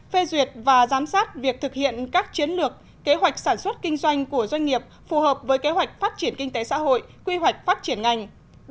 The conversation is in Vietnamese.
phê duyệt và giám sát việc thực hiện các chiến lược kế hoạch sản xuất kinh doanh của doanh nghiệp phù hợp với kế hoạch phát triển kinh tế xã hội quy hoạch phát triển ngành